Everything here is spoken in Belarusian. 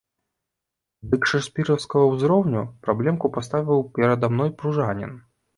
Дык шэкспіраўскага ўзроўню праблемку паставіў перада мной пружанін!